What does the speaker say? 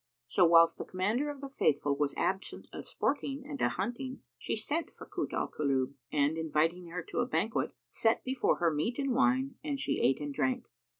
So, whilst the Commander of the Faithful was absent a sporting and a hunting, she sent for Kut al Kulub and, inviting her to a banquet, set before her meat and wine, and she ate and drank.